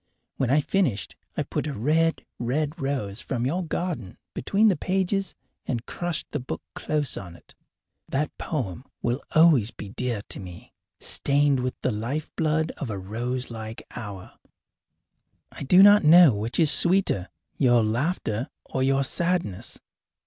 When I finished I put a red, red rose from your garden between the pages and crushed the book close on it. That poem will always be dear to me, stained with the life blood of a rose like hour. I do not know which is the sweeter, your laughter or your sadness.